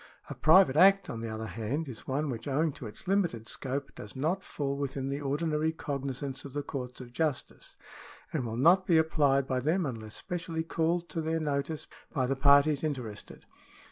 A private Act, on the other hand, is one which, owing to its limited scope, does not fall within the ordinary cogni sance of the courts of justice, and will not be applied by them unless specially called to their notice by the parties ^ interested.